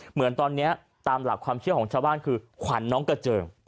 เหมือนตอนนี้ตามหลักความเชื่อของชาวบ้านคือขวัญน้องกระเจิม